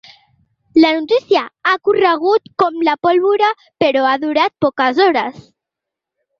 La notícia ha corregut com la pólvora, però ha durat poques hores.